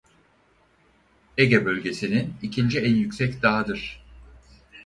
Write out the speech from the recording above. Ege Bölgesi'nin ikinci en yüksek dağıdır.